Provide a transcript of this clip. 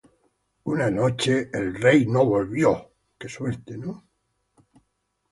Una noche, el Rey no volvió.